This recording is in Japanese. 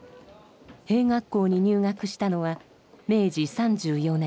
兵学校に入学したのは明治３４年。